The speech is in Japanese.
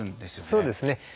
そうですね。